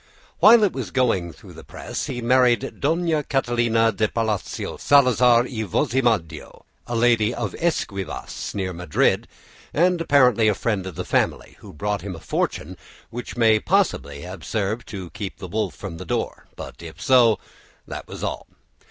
While it was going through the press, he married Dona Catalina de Palacios Salazar y Vozmediano, a lady of Esquivias near Madrid, and apparently a friend of the family, who brought him a fortune which may possibly have served to keep the wolf from the door, but if so, that was all.